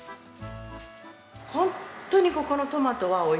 本当にここのトマトは美味しい。